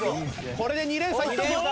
これで２連鎖いったぞ。